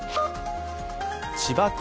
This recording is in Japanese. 千葉県